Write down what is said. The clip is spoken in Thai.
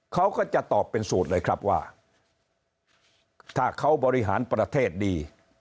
เขาก็จะตอบเป็นสูตรเลยครับว่าถ้าเขาบริหารประเทศดี